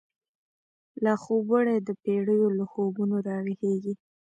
لاخوب وړی دپیړیو، له خوبونو راویښیږی